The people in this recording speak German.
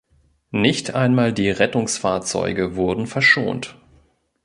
Nicht einmal die Rettungsfahrzeuge wurden verschont.